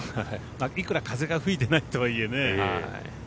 いくら風が吹いてないとはいえね。